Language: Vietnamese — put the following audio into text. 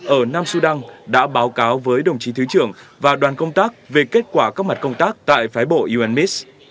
ở nam sudan đã báo cáo với đồng chí thứ trưởng và đoàn công tác về kết quả các mặt công tác tại phái bộ unmis